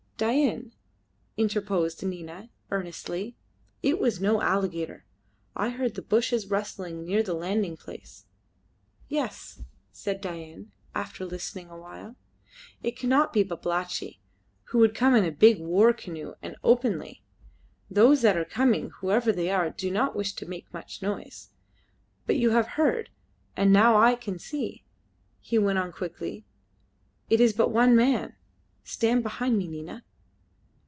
"Dain," interposed Nina, earnestly, "it was no alligator. I heard the bushes rustling near the landing place." "Yes," said Dain, after listening awhile. "It cannot be Babalatchi, who would come in a big war canoe, and openly. Those that are coming, whoever they are, do not wish to make much noise. But you have heard, and now I can see," he went on quickly. "It is but one man. Stand behind me, Nina.